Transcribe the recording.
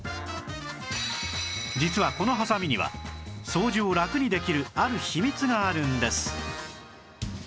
実はこのハサミには掃除をラクにできるある秘密があるんです